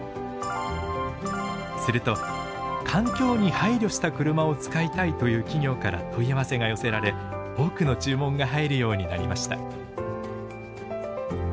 すると環境に配慮した車を使いたいという企業から問い合わせが寄せられ多くの注文が入るようになりました。